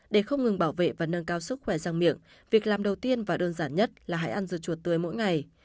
để không ngừng bảo vệ và nâng cao sức khỏe giang miệng việc làm đầu tiên và đơn giản nhất là hãy ăn dưa chuột tươi mỗi ngày